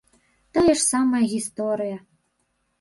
Тая ж самая гісторыя.